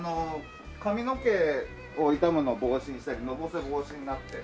髪の毛を傷むの防止したりのぼせ防止になって。